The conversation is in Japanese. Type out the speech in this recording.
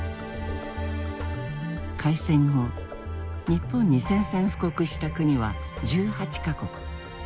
開戦後日本に宣戦布告した国は１８か国。